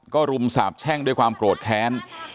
ก็รุมสาบแช่งด้วยความโกรธแค้น